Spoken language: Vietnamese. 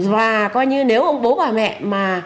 và coi như nếu ông bố bà mẹ mà